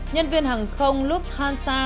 nhân viên hàng không luke hansa